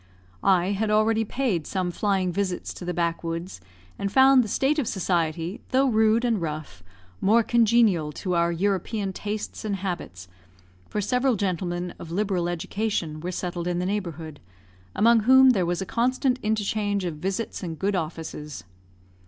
I had already paid some flying visits to the backwoods and found the state of society, though rude and rough, more congenial to our European tastes and habits, for several gentlemen of liberal education were settled in the neighbourhood, among whom there was a constant interchange of visits and good offices.